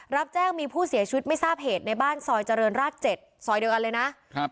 รับแจ้งมีผู้เสียชีวิตไม่ทราบเหตุในบ้านซอยเจริญราช๗ซอยเดียวกันเลยนะครับ